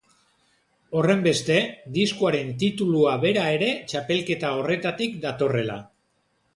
Horrenbeste, diskoaren titulua bera ere txapelketa horretatik datorrela.